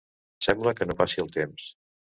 Sembla que no passi el temps.